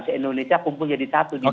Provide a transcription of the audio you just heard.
se indonesia kumpul jadi satu di dunia